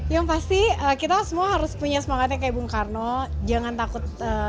yang pasti kita semua harus punya semangatnya kayak bung karno jangan takut